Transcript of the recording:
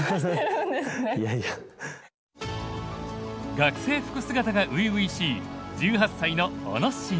学生服姿が初々しい１８歳の小野伸二。